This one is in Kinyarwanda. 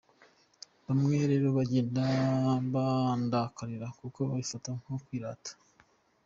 Bamwe rero bagenda bandakarira kuko babifata nko kwirata.